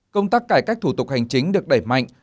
công tác cải cách thủ tục hành chính được đẩy mạnh